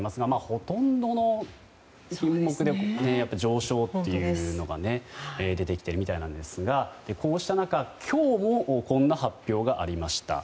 ほとんどの品目で上昇というのが出てきているみたいなんですがこうした中、今日もこんな発表がありました。